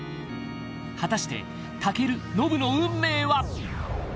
果たして健ノブの運命は？